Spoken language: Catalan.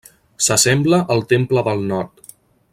S'assembla al Temple del Nord.